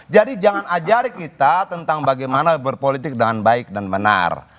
jadi jangan ajarin kita tentang bagaimana berpolitik dengan baik dan benar